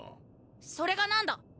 それが何だ！